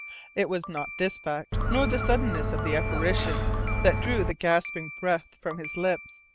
It was not this fact, nor the suddenness of the apparition, that drew the gasping breath from his lips.